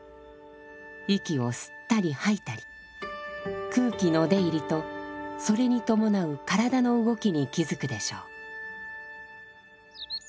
息を吸ったり吐いたり空気の出入りとそれに伴う体の動きに気づくでしょう。